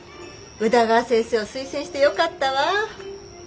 宇田川先生を推薦してよかったわ。